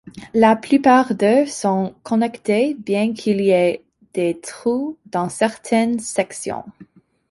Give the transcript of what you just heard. La plupart d'eux sont connectées, bien qu'il y ait des trous dans certains sections.